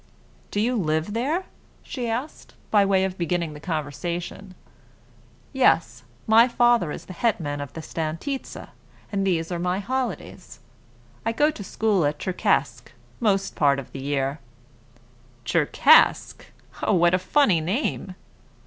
"Do you live there?" she asked, by way of beginning the conversation. "Yes; my father is the hetman of the Stantitza, and these are my holidays. I go to school at Tcherkask most part of the year." "Tcherkask! Oh, what a funny name!"